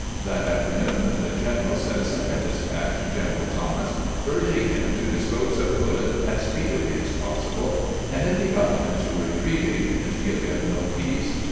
That afternoon the general sent a second despatch to General Thomas, urging him to dispose of Hood as speedily as possible, and if he got him to retreating to give him no peace.